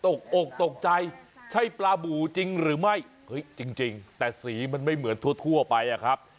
อกตกใจใช่ปลาบู่จริงหรือไม่เฮ้ยจริงแต่สีมันไม่เหมือนทั่วไปอะครับ